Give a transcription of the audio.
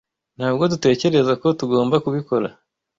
Ntabwo dutekereza ko tugomba kubikora.